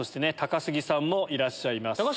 高杉さんもいらっしゃいます。